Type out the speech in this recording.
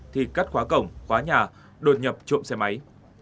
thì cắt khóa cổng khóa nhà đột nhập trộm xe máy